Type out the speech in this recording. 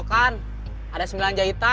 nanti saya dimainkan ta podrita